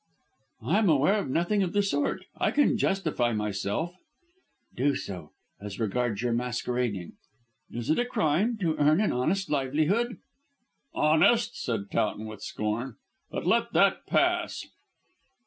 "I am aware of nothing of the sort. I can justify myself " "Do so, as regards your masquerading." "Is it a crime to earn an honest livelihood?" "Honest!" said Towton with scorn, "but let that pass."